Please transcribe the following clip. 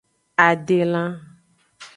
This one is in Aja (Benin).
Adelan.